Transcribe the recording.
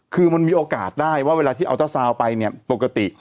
คือมันมีโอกาสได้ว่าเวลาที่เอาเจ้าซาวน์ไปเนี่ยปกติ